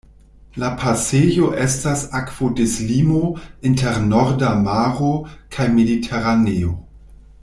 La pasejo estas akvodislimo inter Norda Maro kaj Mediteraneo.